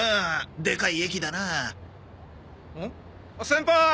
先輩！